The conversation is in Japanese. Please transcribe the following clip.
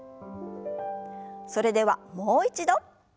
それではもう一度。